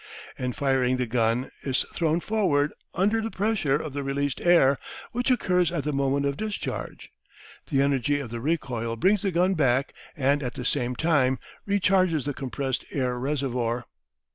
In firing the gun is thrown forward under the pressure of the released air which occurs at the moment of discharge. The energy of the recoil brings the gun back and at the same time recharges the compressed air reservoir.